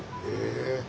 へえ。